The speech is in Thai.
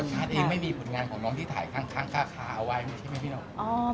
อาร์ตเองไม่มีผลงานของน้องที่ถ่ายข้างคาเอาไว้ใช่ไหมพี่น้อง